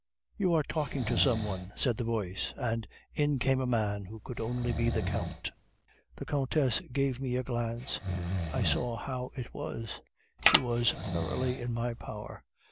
You are talking to some one," said the voice, and in came a man who could only be the Count. "'The Countess gave me a glance. I saw how it was. She was thoroughly in my power.